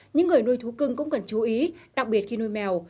những người nuôi thú cưng cũng cần chú ý đặc biệt khi nuôi mèo